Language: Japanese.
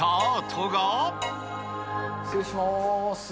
失礼します。